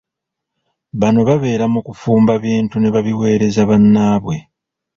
Bano babera mu kufumba bintu ne babiweereza bannabwe.